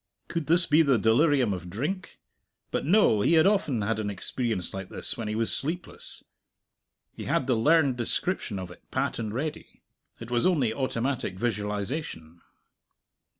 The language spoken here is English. Could this be the delirium of drink? But no; he had often had an experience like this when he was sleepless; he had the learned description of it pat and ready; it was only automatic visualization.